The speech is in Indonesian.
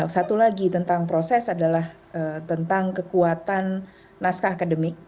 satu lagi tentang proses adalah tentang kekuatan naskah akademik